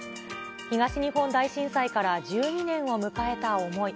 東日本大震災から１２年を迎えた思い。